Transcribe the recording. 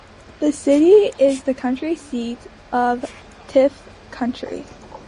The city is the county seat of Tift County.